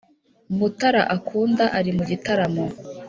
mutara akunda ari mu gitaramo